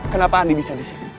kenapa andi bisa disini